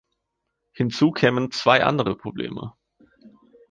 Hinzu kämen zwei andere Probleme.